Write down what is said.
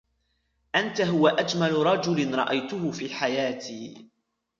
أنت هو أجمل رجل رأيته في حياتي.